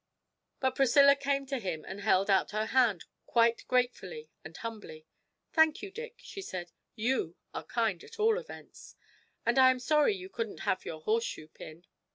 But Priscilla came to him and held out her hand quite gratefully and humbly. 'Thank you, Dick,' she said; 'you are kind, at all events. And I am sorry you couldn't have your horse shoe pin!'